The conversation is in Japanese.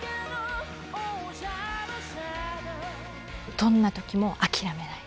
どんな時も諦めない。